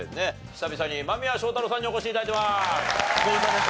久々に間宮祥太朗さんにお越し頂いてます。